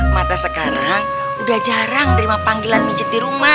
mak teh sekarang udah jarang terima panggilan mijit